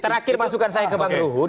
terakhir masukan saya ke bang ruhut